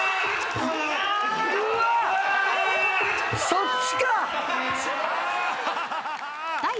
そっちか！